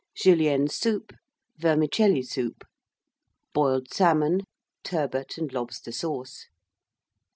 Julienne Soup. Vermicelli Soup. Boiled Salmon. Turbot and Lobster Sauce.